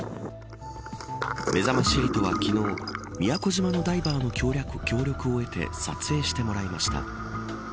めざまし８は昨日宮古島のダイバーの協力を得て撮影してもらいました。